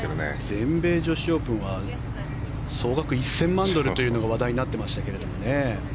全米女子オープンは総額１０００万ドルというのが話題になってましたけどね。